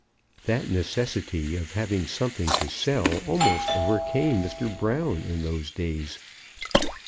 That necessity of having something to sell almost overcame Mr. Brown in those days.